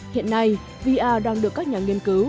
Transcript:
hiện nay vr đang được các nhà nghiên cứu